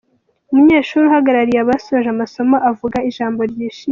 Umunyeshuri uhagarariye abasoje amasomo avuga ijambo ryishimwe.